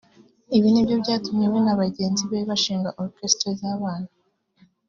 Ibi nibyo byatumye we na bagenzi be bashinga orchestres z’abana